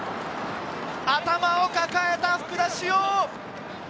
頭を抱えた福田師王。